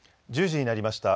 １０時になりました。